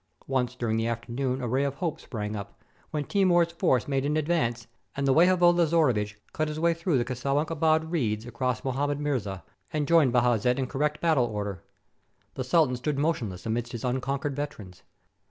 Once during the afternoon a ray of hope sprang up, when Timur's force made an advance, and the Waiwode Lazaruvich cut his way through the Csi buk Abad reeds across Mohammed Mirza, and joined Bajazet in correct battle order. The sultan stood mo tionless amidst his unconquered veterans.